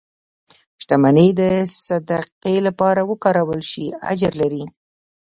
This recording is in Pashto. • شتمني که د صدقې لپاره وکارول شي، اجر لري.